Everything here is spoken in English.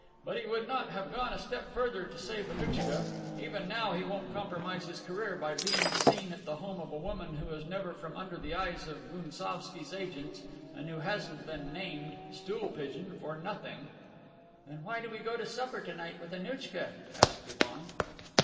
"But he would not have gone a step further to save Annouchka. Even now he won't compromise his career by being seen at the home of a woman who is never from under the eyes of Gounsovski's agents and who hasn't been nicknamed 'Stool pigeon' for nothing." "Then why do we go to supper tonight with Annouchka?" asked Ivan.